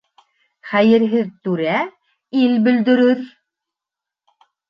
Хәйерһеҙ түрә ил бөлдөрөр.